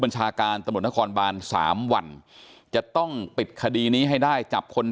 บัญชาการตะหมดนครบาลสามวันจะต้องปิดคดีนี้ให้ได้จับคน